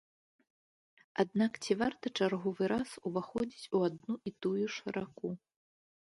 Аднак, ці варта чарговы раз уваходзіць у адну і тую ж раку?